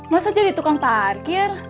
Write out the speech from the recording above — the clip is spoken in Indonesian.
masa jadi tukang parkir